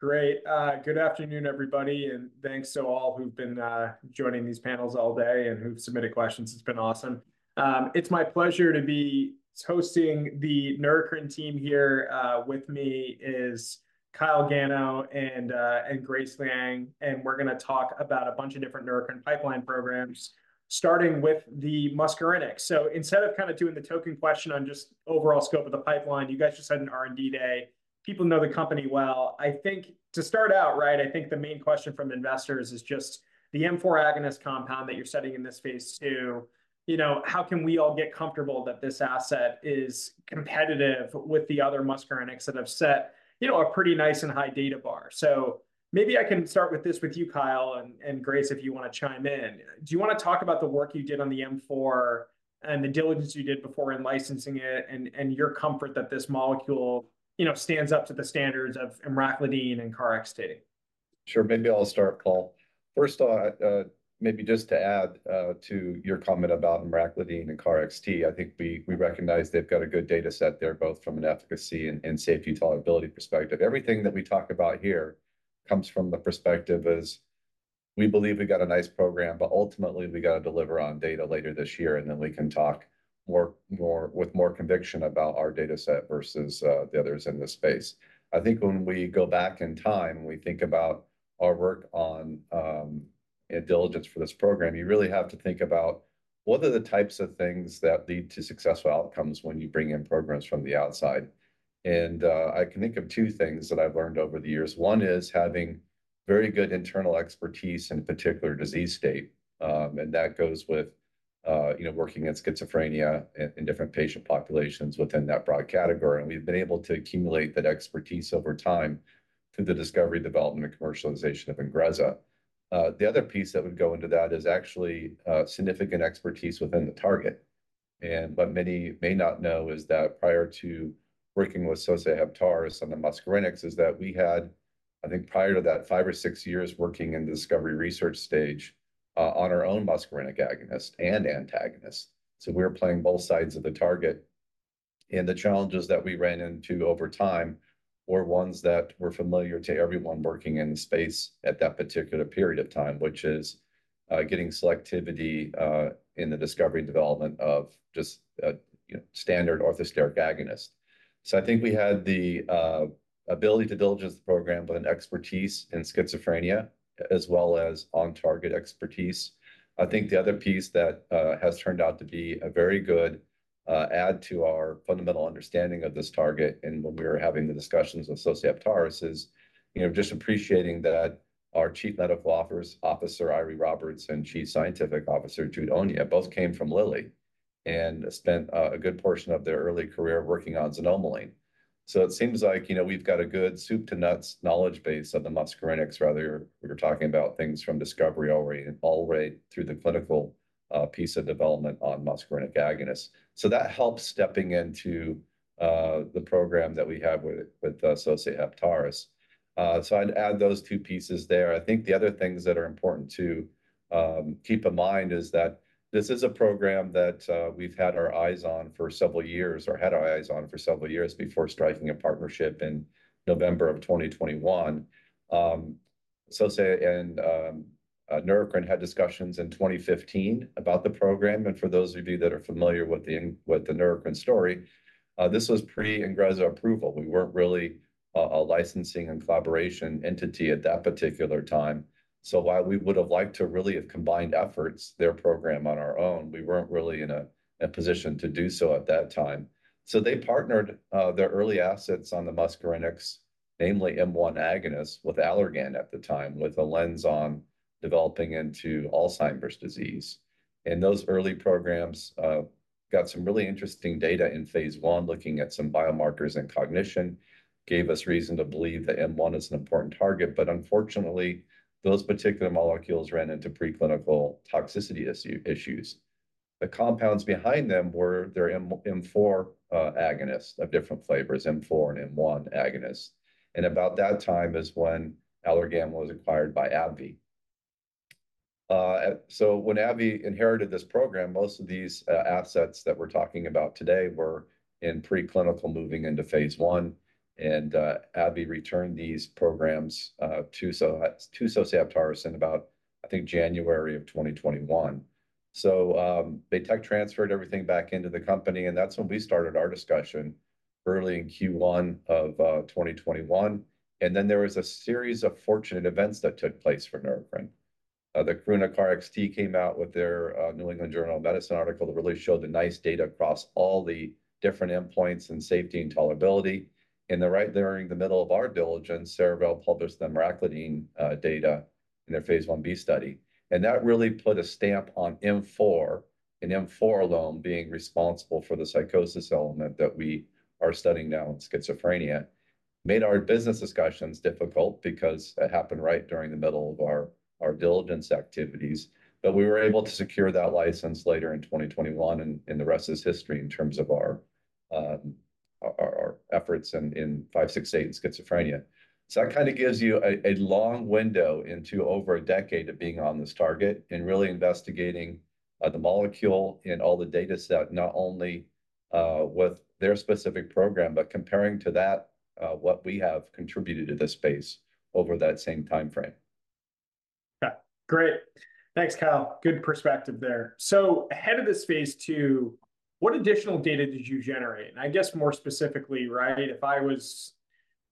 Great. Good afternoon, everybody, and thanks to all who've been joining these panels all day and who've submitted questions. It's been awesome. It's my pleasure to be hosting the Neurocrine team here. With me is Kyle Gano and Grace Liang, and we're gonna talk about a bunch of different Neurocrine pipeline programs, starting with the muscarinic. So instead of kind of doing the token question on just overall scope of the pipeline, you guys just had an R&D day. People know the company well. I think to start out, right, I think the main question from investors is just the M4 agonist compound that you're setting in this Phase II. You know, how can we all get comfortable that this asset is competitive with the other muscarinics that have set, you know, a pretty nice and high data bar? So maybe I can start with this with you, Kyle, and, and Grace, if you wanna chime in. Do you wanna talk about the work you did on the M4 and the diligence you did before in licensing it and, and your comfort that this molecule, you know, stands up to the standards of emraclidine and KarXT? Sure. Maybe I'll start, Paul. First off, maybe just to add to your comment about emraclidine and KarXT, I think we recognize they've got a good data set there, both from an efficacy and safety tolerability perspective. Everything that we talk about here comes from the perspective as we believe we got a nice program, but ultimately we gotta deliver on data later this year, and then we can talk more with more conviction about our data set versus the others in this space. I think when we go back in time and we think about our work on, you know, diligence for this program, you really have to think about what are the types of things that lead to successful outcomes when you bring in programs from the outside. I can think of two things that I've learned over the years. One is having very good internal expertise in a particular disease state. And that goes with, you know, working against schizophrenia in different patient populations within that broad category. And we've been able to accumulate that expertise over time through the discovery, development, and commercialization of Ingrezza. The other piece that would go into that is actually significant expertise within the target. And what many may not know is that prior to working with Sosei Heptares on the muscarinics is that we had, I think, prior to that, five or six years working in the discovery research stage, on our own muscarinic agonist and antagonist. So we were playing both sides of the target. And the challenges that we ran into over time were ones that were familiar to everyone working in the space at that particular period of time, which is getting selectivity in the discovery and development of just a, you know, standard orthosteric agonist. So I think we had the ability to diligence the program with an expertise in schizophrenia as well as on-target expertise. I think the other piece that has turned out to be a very good add to our fundamental understanding of this target and when we were having the discussions with Sosei Heptares is, you know, just appreciating that our Chief Medical Officer, Eiry Roberts, and Chief Scientific Officer, Jude Onyia, both came from Lilly and spent a good portion of their early career working on xanomeline. So it seems like, you know, we've got a good soup-to-nuts knowledge base of the muscarinics. Rather, we were talking about things from discovery already and already through the clinical piece of development on muscarinic agonists. So that helps stepping into the program that we have with Sosei Heptares. So I'd add those two pieces there. I think the other things that are important to keep in mind is that this is a program that we've had our eyes on for several years or had our eyes on for several years before striking a partnership in November of 2021. Sosei and Neurocrine had discussions in 2015 about the program. And for those of you that are familiar with the Neurocrine story, this was pre-Ingrezza approval. We weren't really a licensing and collaboration entity at that particular time. So while we would have liked to really have combined efforts, their program on our own, we weren't really in a position to do so at that time. So they partnered their early assets on the muscarinics, namely M1 agonists, with Allergan at the time, with a lens on developing into Alzheimer's disease. And those early programs got some really interesting data in Phase I looking at some biomarkers and cognition. Gave us reason to believe that M1 is an important target, but unfortunately, those particular molecules ran into preclinical toxicity issues. The compounds behind them were their M4 agonists of different flavors, M4 and M1 agonists. And about that time is when Allergan was acquired by AbbVie. So when AbbVie inherited this program, most of these assets that we're talking about today were in preclinical moving into Phase I. AbbVie returned these programs to Sosei Heptares in about, I think, January of 2021. So, they tech transferred everything back into the company, and that's when we started our discussion early in Q1 of 2021. And then there was a series of fortunate events that took place for Neurocrine. The Karuna KarXT came out with their New England Journal of Medicine article that really showed the nice data across all the different endpoints and safety and tolerability. And then right there in the middle of our diligence, Cerevel published the emraclidine data in their Phase Ib study. And that really put a stamp on M4 and M4 alone being responsible for the psychosis element that we are studying now in schizophrenia. Made our business discussions difficult because it happened right during the middle of our diligence activities. But we were able to secure that license later in 2021 and in the rest of his history in terms of our efforts in 568 in schizophrenia. So that kind of gives you a long window into over a decade of being on this target and really investigating the molecule and all the data set not only with their specific program, but comparing to that, what we have contributed to this space over that same timeframe. Okay. Great. Thanks, Kyle. Good perspective there. So ahead of this Phase II, what additional data did you generate? And I guess more specifically, right, if I was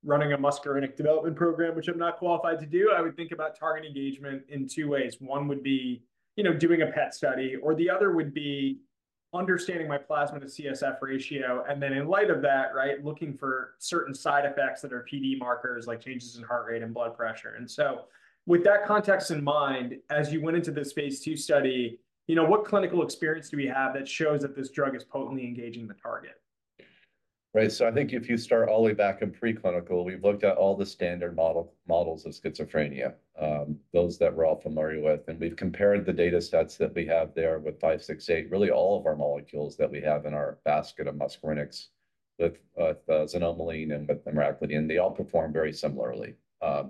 running a muscarinic development program, which I'm not qualified to do, I would think about target engagement in two ways. One would be, you know, doing a PET study, or the other would be understanding my plasma to CSF ratio. And then in light of that, right, looking for certain side effects that are PD markers like changes in heart rate and blood pressure. And so with that context in mind, as you went into this Phase II study, you know, what clinical experience do we have that shows that this drug is potently engaging the target? Right. So I think if you start all the way back in preclinical, we've looked at all the standard model models of schizophrenia, those that we're all familiar with. And we've compared the data sets that we have there with 568, really all of our molecules that we have in our basket of muscarinics with xanomeline and with emraclidine. They all perform very similarly.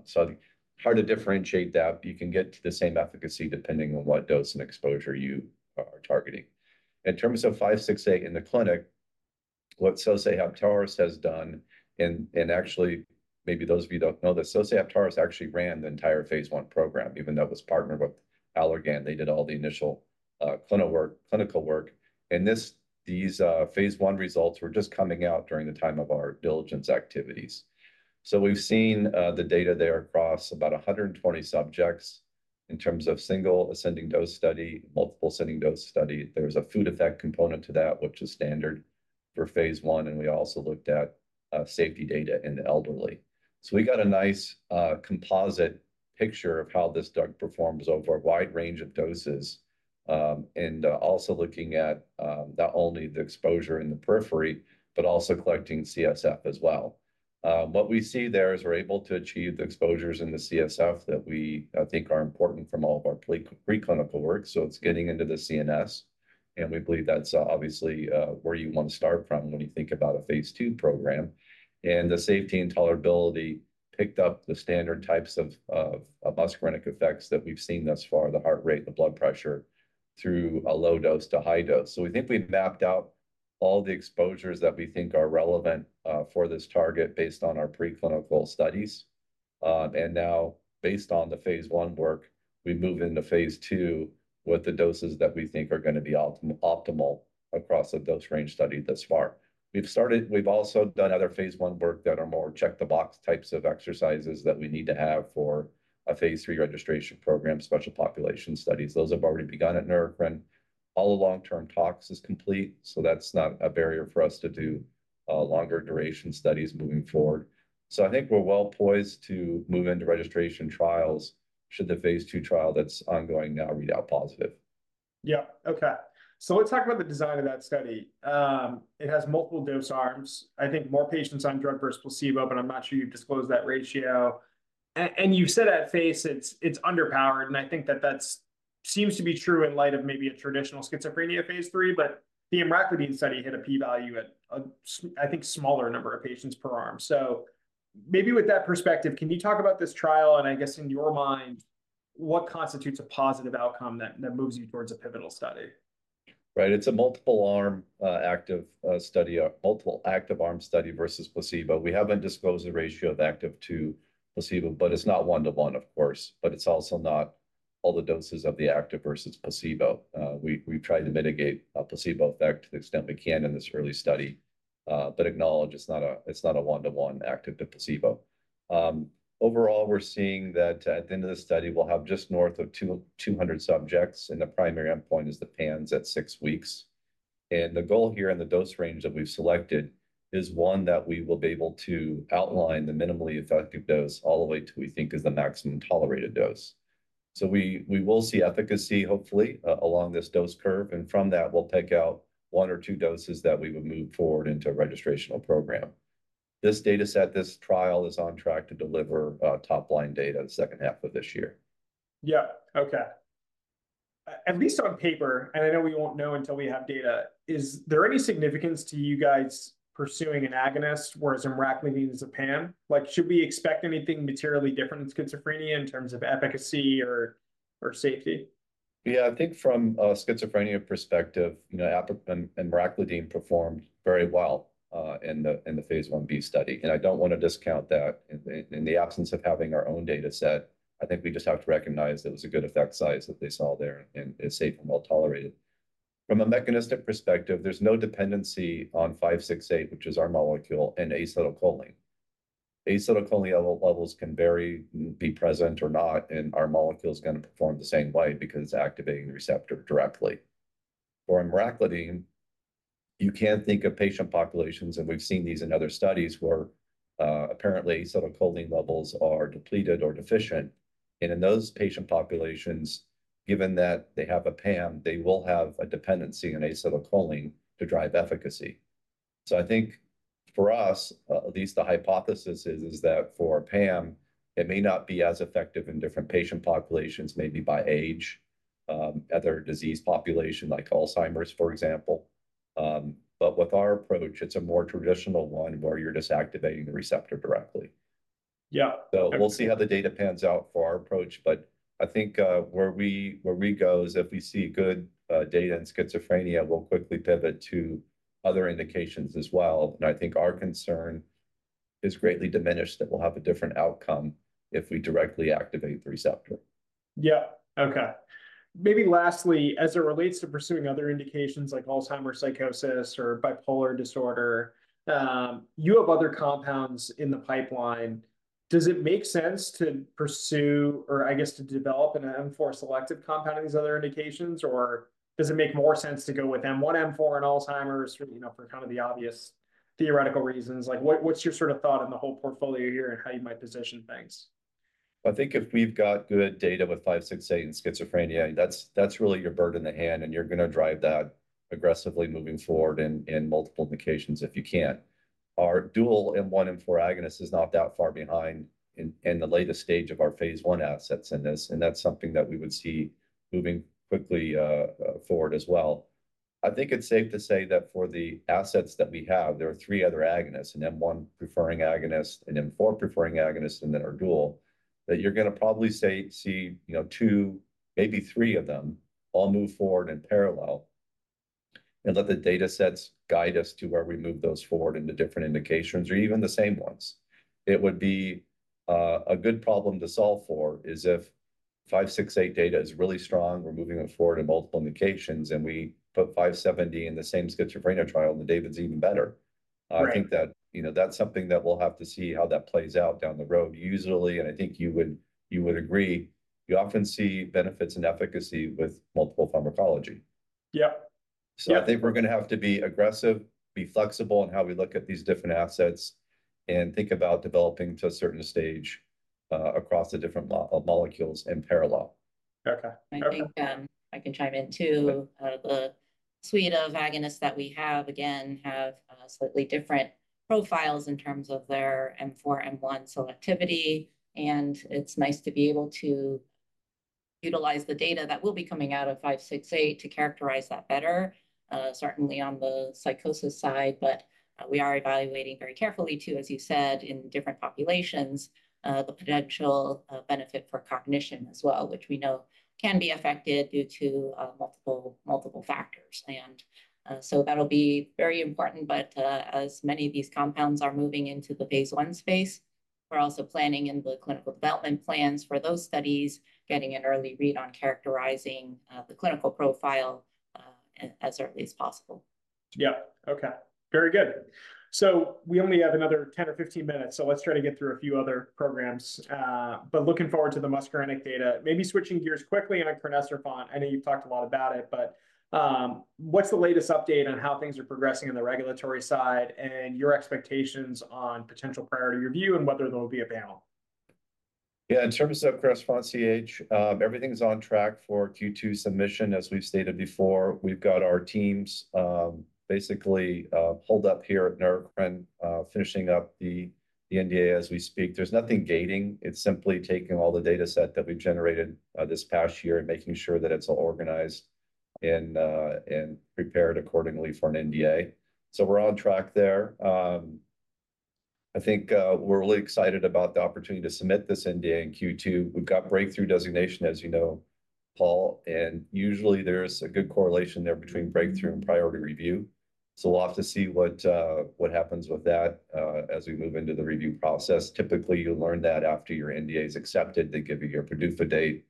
So hard to differentiate that. You can get to the same efficacy depending on what dose and exposure you are targeting. In terms of 568 in the clinic, what Sosei Heptares has done and actually maybe those of you don't know that Sosei Heptares actually ran the entire Phase I program, even though it was partnered with Allergan. They did all the initial clinical work. These Phase I results were just coming out during the time of our diligence activities. So we've seen the data there across about 120 subjects in terms of single ascending dose study, multiple ascending dose study. There's a food effect component to that, which is standard for Phase I. And we also looked at safety data in the elderly. So we got a nice composite picture of how this drug performs over a wide range of doses, and also looking at not only the exposure in the periphery, but also collecting CSF as well. What we see there is we're able to achieve the exposures in the CSF that we think are important from all of our preclinical work. So it's getting into the CNS. And we believe that's obviously where you wanna start from when you think about a Phase II program. The safety and tolerability picked up the standard types of, of muscarinic effects that we've seen thus far, the heart rate, the blood pressure through a low dose to high dose. So we think we've mapped out all the exposures that we think are relevant for this target based on our preclinical studies. And now based on the Phase I work, we move into Phase II with the doses that we think are gonna be optimal across the dose range study thus far. We've started. We've also done other Phase I work that are more check-the-box types of exercises that we need to have for a Phase III registration program, special population studies. Those have already begun at Neurocrine. All the long-term tox is complete. So that's not a barrier for us to do longer duration studies moving forward. I think we're well poised to move into registration trials should the Phase II trial that's ongoing now read out positive. Yeah. Okay. So let's talk about the design of that study. It has multiple dose arms. I think more patients on drug versus placebo, but I'm not sure you've disclosed that ratio. And you've said at face value, it's underpowered. And I think that seems to be true in light of maybe a traditional schizophrenia Phase III, but the emraclidine study hit a p-value at, I think, a smaller number of patients per arm. So maybe with that perspective, can you talk about this trial? And I guess in your mind, what constitutes a positive outcome that moves you towards a pivotal study? Right. It's a multiple arm active study, multiple active arm study versus placebo. We haven't disclosed the ratio of active to placebo, but it's not 1 to 1, of course. But it's also not all the doses of the active versus placebo. We've tried to mitigate a placebo effect to the extent we can in this early study, but acknowledge it's not a 1 to 1 active to placebo. Overall, we're seeing that at the end of the study, we'll have just north of 200 subjects and the primary endpoint is the PANSS at six weeks. And the goal here in the dose range that we've selected is one that we will be able to outline the minimally effective dose all the way to what we think is the maximum tolerated dose. So we will see efficacy, hopefully, along this dose curve. From that, we'll pick out one or two doses that we would move forward into a registration program. This data set, this trial, is on track to deliver top-line data the second half of this year. Yeah. Okay. At least on paper, and I know we won't know until we have data, is there any significance to you guys pursuing an agonist whereas emraclidine is a PAM? Like, should we expect anything materially different in schizophrenia in terms of efficacy or, or safety? Yeah. I think from a schizophrenia perspective, you know, emraclidine performed very well in the Phase Ib study. And I don't wanna discount that in the absence of having our own data set. I think we just have to recognize it was a good effect size that they saw there and it's safe and well tolerated. From a mechanistic perspective, there's no dependency on 568, which is our molecule, and acetylcholine. Acetylcholine levels can vary, be present or not, and our molecule's gonna perform the same way because it's activating the receptor directly. For emraclidine, you can't think of patient populations, and we've seen these in other studies where, apparently acetylcholine levels are depleted or deficient. And in those patient populations, given that they have a PAM, they will have a dependency on acetylcholine to drive efficacy. So I think for us, at least the hypothesis is that for PAM, it may not be as effective in different patient populations, maybe by age, other disease population like Alzheimer's, for example. But with our approach, it's a more traditional one where you're just activating the receptor directly. Yeah. So we'll see how the data pans out for our approach. But I think, where we go is if we see good data in schizophrenia, we'll quickly pivot to other indications as well. And I think our concern is greatly diminished that we'll have a different outcome if we directly activate the receptor. Yeah. Okay. Maybe lastly, as it relates to pursuing other indications like Alzheimer's psychosis or bipolar disorder, you have other compounds in the pipeline. Does it make sense to pursue, or I guess to develop an M4 selective compound of these other indications, or does it make more sense to go with M1, M4, and Alzheimer's for, you know, for kind of the obvious theoretical reasons? Like, what, what's your sort of thought in the whole portfolio here and how you might position things? Well, I think if we've got good data with 568 in schizophrenia, that's, that's really your bird in the hand, and you're gonna drive that aggressively moving forward in, in multiple indications if you can. Our dual M1, M4 agonist is not that far behind in, in the latest stage of our Phase I assets in this. And that's something that we would see moving quickly, forward as well. I think it's safe to say that for the assets that we have, there are three other agonists, an M1 preferring agonist, an M4 preferring agonist, and then our dual. That you're gonna probably say, see, you know, 2, maybe 3 of them all move forward in parallel. And let the data sets guide us to where we move those forward into different indications or even the same ones. It would be a good problem to solve for is if 568 data is really strong, we're moving it forward in multiple indications, and we put 570 in the same schizophrenia trial, and the data's even better. I think that, you know, that's something that we'll have to see how that plays out down the road usually. And I think you would agree. You often see benefits and efficacy with multiple pharmacology. Yeah. I think we're gonna have to be aggressive, be flexible in how we look at these different assets. Think about developing to a certain stage, across the different molecules in parallel. Okay. I think, I can chime in too. The suite of agonists that we have again have slightly different profiles in terms of their M4, M1 selectivity. It's nice to be able to utilize the data that will be coming out of 568 to characterize that better, certainly on the psychosis side, but we are evaluating very carefully too, as you said, in different populations, the potential benefit for cognition as well, which we know can be affected due to multiple, multiple factors. So that'll be very important. But as many of these compounds are moving into the Phase I space, we're also planning in the clinical development plans for those studies, getting an early read on characterizing the clinical profile, as early as possible. Yeah. Okay. Very good. So we only have another 10 or 15 minutes. So let's try to get through a few other programs. Looking forward to the muscarinic data, maybe switching gears quickly on crinecerfont. I know you've talked a lot about it, but, what's the latest update on how things are progressing on the regulatory side and your expectations on potential priority review and whether there will be a panel? Yeah. In terms of correspondence, everything's on track for Q2 submission. As we've stated before, we've got our teams, basically, pulled up here at Neurocrine, finishing up the NDA as we speak. There's nothing gating. It's simply taking all the data set that we generated, this past year and making sure that it's all organized in and prepared accordingly for an NDA. So we're on track there. I think, we're really excited about the opportunity to submit this NDA in Q2. We've got breakthrough designation, as you know, Paul, and usually there's a good correlation there between breakthrough and priority review. So we'll have to see what happens with that, as we move into the review process. Typically, you'll learn that after your NDA is accepted. They give you your PDUFA date.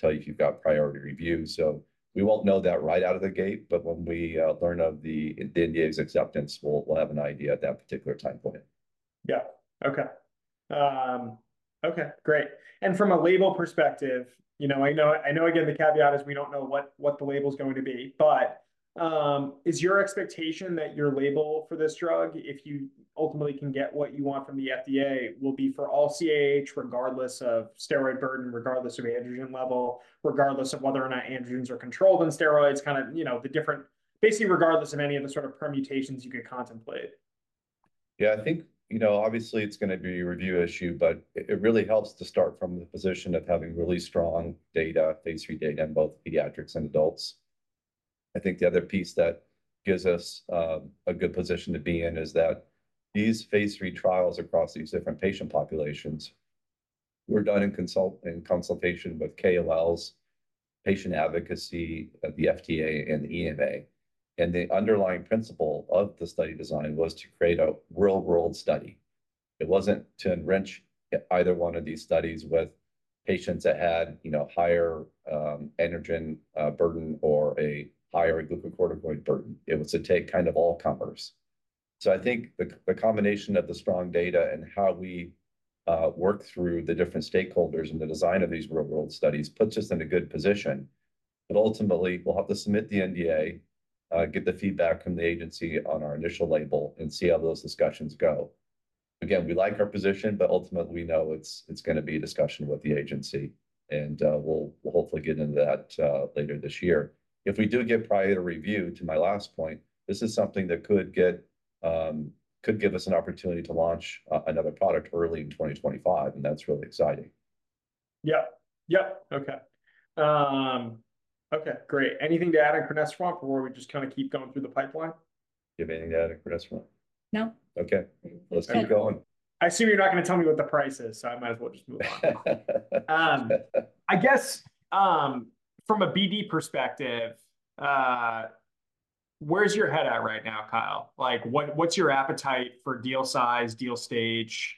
Tell you if you've got priority review. So we won't know that right out of the gate, but when we learn of the NDA's acceptance, we'll have an idea at that particular time point. Yeah. Okay. Great. And from a label perspective, you know, I know, I know again, the caveat is we don't know what the label's going to be, but is your expectation that your label for this drug, if you ultimately can get what you want from the FDA, will be for all CAH regardless of steroid burden, regardless of androgen level, regardless of whether or not androgens are controlled on steroids, kind of, you know, the different, basically regardless of any of the sort of permutations you could contemplate? Yeah. I think, you know, obviously it's gonna be a review issue, but it really helps to start from the position of having really strong data, Phase III data in both pediatrics and adults. I think the other piece that gives us a good position to be in is that these Phase III trials across these different patient populations were done in consultation with KOLs, patient advocacy at the FDA and the EMA. And the underlying principle of the study design was to create a real-world study. It wasn't to enrich either one of these studies with patients that had, you know, higher androgen burden or a higher glucocorticoid burden. It was to take kind of all-comers. So I think the combination of the strong data and how we work through the different stakeholders and the design of these real-world studies puts us in a good position. But ultimately, we'll have to submit the NDA, get the feedback from the agency on our initial label and see how those discussions go. Again, we like our position, but ultimately we know it's gonna be discussion with the agency. And we'll hopefully get into that later this year. If we do get priority review, to my last point, this is something that could give us an opportunity to launch another product early in 2025. And that's really exciting. Yeah. Yeah. Okay. Okay. Great. Anything to add on crinecerfont before we just kind of keep going through the pipeline? Do you have anything to add on Crinecerfont? No. Okay. Let's keep going. I assume you're not gonna tell me what the price is, so I might as well just move on. I guess, from a BD perspective, where's your head at right now, Kyle? Like, what, what's your appetite for deal size, deal stage,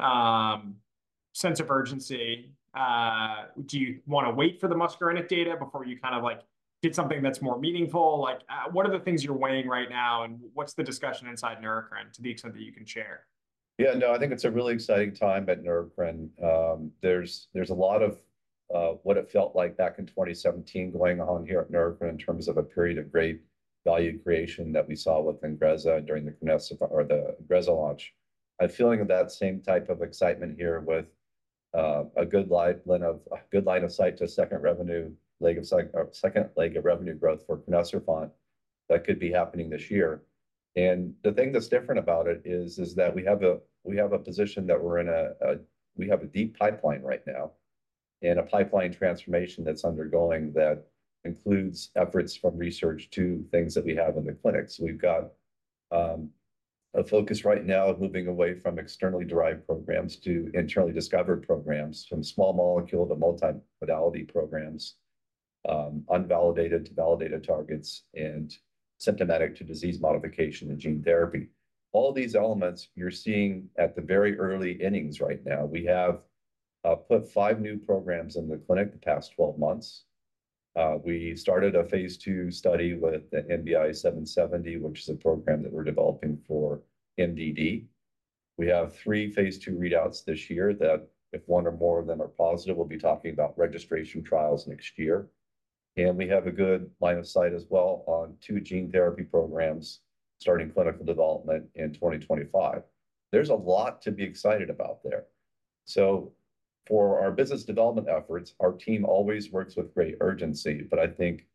sense of urgency? Do you wanna wait for the muscarinic data before you kind of like get something that's more meaningful? Like, what are the things you're weighing right now and what's the discussion inside Neurocrine to the extent that you can share? Yeah. No, I think it's a really exciting time at Neurocrine. There's a lot of what it felt like back in 2017 going on here at Neurocrine in terms of a period of great value creation that we saw within Ingrezza during the Ingrezza or the Ingrezza launch. I have a feeling of that same type of excitement here with a good line of sight to a second revenue leg, or second leg of revenue growth for Ingrezza that could be happening this year. And the thing that's different about it is that we have a position that we're in, a deep pipeline right now. And a pipeline transformation that's undergoing that includes efforts from research to things that we have in the clinics. We've got a focus right now moving away from externally derived programs to internally discovered programs from small molecule to multimodality programs, unvalidated to validated targets and symptomatic to disease modification and gene therapy. All these elements you're seeing at the very early innings right now. We have put five new programs in the clinic the past 12 months. We started a Phase II study with the NBI-770, which is a program that we're developing for MDD. We have three Phase II readouts this year that if one or more of them are positive, we'll be talking about registration trials next year. And we have a good line of sight as well on two gene therapy programs starting clinical development in 2025. There's a lot to be excited about there. So for our business development efforts, our team always works with great urgency, but I think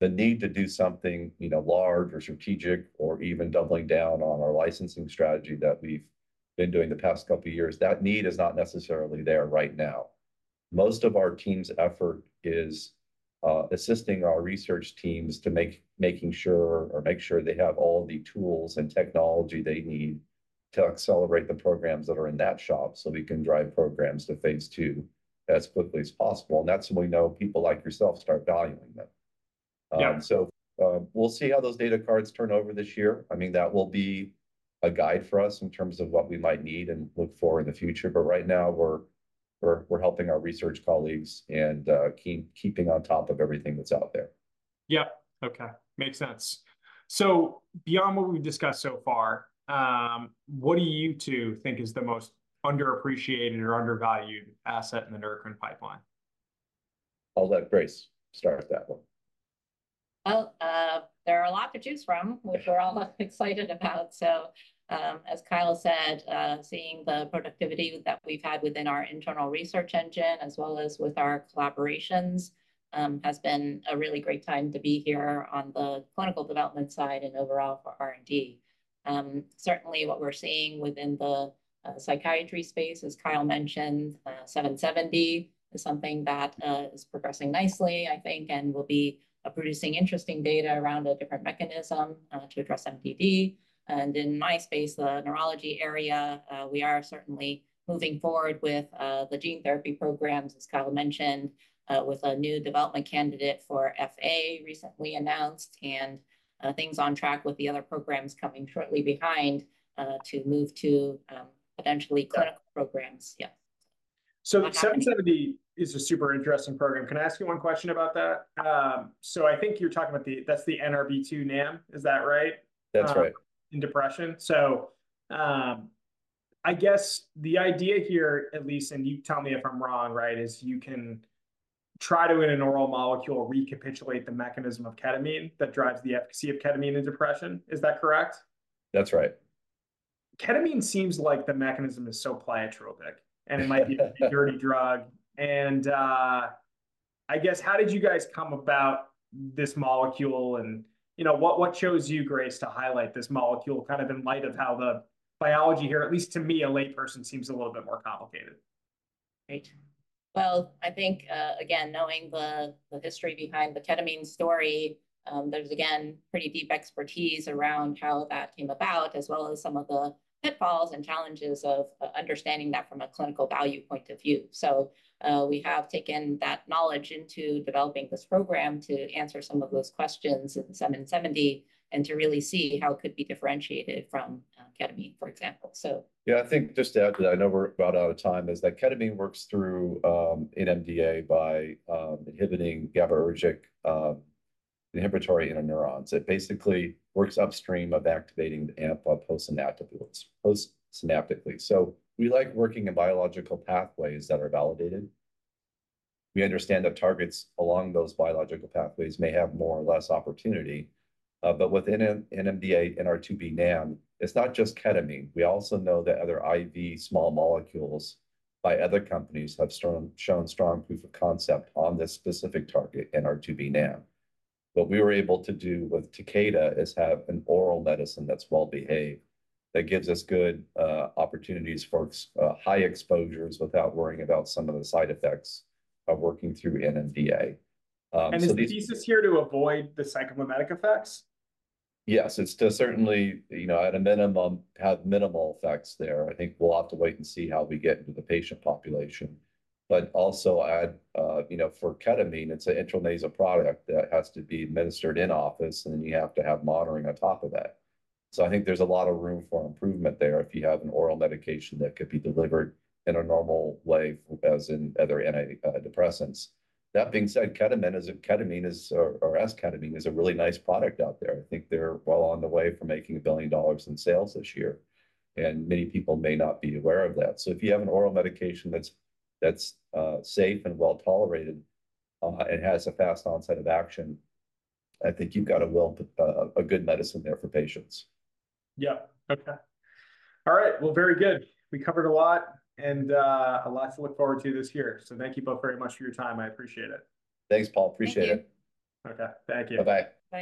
the need to do something, you know, large or strategic or even doubling down on our licensing strategy that we've been doing the past couple of years, that need is not necessarily there right now. Most of our team's effort is assisting our research teams, making sure they have all the tools and technology they need to accelerate the programs that are in that shop so we can drive programs to Phase II as quickly as possible. And that's when we know people like yourself start valuing them. So, we'll see how those data cards turn over this year. I mean, that will be a guide for us in terms of what we might need and look for in the future. Right now we're helping our research colleagues and keeping on top of everything that's out there. Yeah. Okay. Makes sense. So beyond what we've discussed so far, what do you two think is the most underappreciated or undervalued asset in the Neurocrine pipeline? I'll let Grace start that one. Well, there are a lot to choose from, which we're all excited about. So, as Kyle said, seeing the productivity that we've had within our internal research engine as well as with our collaborations, has been a really great time to be here on the clinical development side and overall for R&D. Certainly what we're seeing within the psychiatry space, as Kyle mentioned, 770 is something that is progressing nicely, I think, and will be producing interesting data around a different mechanism, to address MDD. And in my space, the neurology area, we are certainly moving forward with the gene therapy programs, as Kyle mentioned, with a new development candidate for FA recently announced and things on track with the other programs coming shortly behind, to move to potentially clinical programs. Yeah. So 770 is a super interesting program. Can I ask you one question about that? So I think you're talking about the, that's the NR2B NAM, is that right? That's right. In depression. So, I guess the idea here, at least, and you tell me if I'm wrong, right, is you can try to, in an oral molecule, recapitulate the mechanism of ketamine that drives the efficacy of ketamine in depression. Is that correct? That's right. Ketamine seems like the mechanism is so pleiotropic. And it might be a dirty drug. And, I guess how did you guys come about this molecule? And, you know, what, what chose you, Grace, to highlight this molecule kind of in light of how the biology here, at least to me, a layperson, seems a little bit more complicated? Right. Well, I think, again, knowing the history behind the ketamine story, there's again pretty deep expertise around how that came about as well as some of the pitfalls and challenges of understanding that from a clinical value point of view. So, we have taken that knowledge into developing this program to answer some of those questions in 770 and to really see how it could be differentiated from ketamine, for example. So. Yeah. I think just to add to that, I know we're about out of time, is that ketamine works through an NMDA by inhibiting GABAergic inhibitory interneurons. It basically works upstream of activating the AMPA postsynaptically. So we like working in biological pathways that are validated. We understand that targets along those biological pathways may have more or less opportunity. But within an NMDA NR2B NAM, it's not just ketamine. We also know that other IV small molecules by other companies have shown strong proof of concept on this specific target NR2B NAM. What we were able to do with Takeda is have an oral medicine that's well behaved that gives us good opportunities for high exposures without worrying about some of the side effects of working through an NMDA. So. Is the thesis here to avoid the psychomimetic effects? Yes. It's certainly, you know, at a minimum, have minimal effects there. I think we'll have to wait and see how we get into the patient population. But also add, you know, for ketamine, it's an intranasal product that has to be administered in-office and then you have to have monitoring on top of that. So I think there's a lot of room for improvement there if you have an oral medication that could be delivered in a normal way as in other antidepressants. That being said, ketamine is, or esketamine is a really nice product out there. I think they're well on the way for making $1 billion in sales this year. And many people may not be aware of that. So if you have an oral medication that's safe and well tolerated, and has a fast onset of action, I think you've got a, well, a good medicine there for patients. Yeah. Okay. All right. Well, very good. We covered a lot and, a lot to look forward to this year. So thank you both very much for your time. I appreciate it. Thanks, Paul. Appreciate it. Okay. Thank you. Bye-bye.